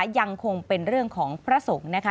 ยังคงเป็นเรื่องของพระสงฆ์นะคะ